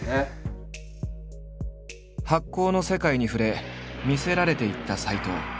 発酵の世界に触れ魅せられていった斎藤。